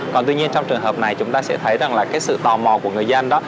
còn tuy nhiên trong trường hợp này chúng ta sẽ thấy rằng là cái sự tò mò của người dân đó